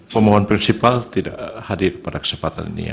pemohon festival tidak hadir pada kesempatan ini